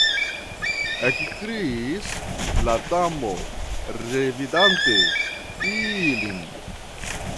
Ekkriis la Damo, revidante ilin.